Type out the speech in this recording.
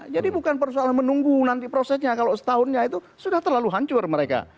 jadi bukan persoalan menunggu nanti prosesnya kalau setahunnya itu sudah terlalu hancur mereka